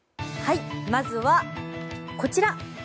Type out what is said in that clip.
まずはこちら。